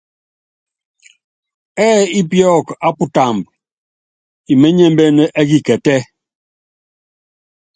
Ɛ́ɛ ípíɔk á putámb, iményémbén ɛ́ kikɛtɛ́.